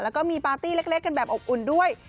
แล้วก็มีปาร์ตี้เล็กกันแบบอบอุ่นด้วย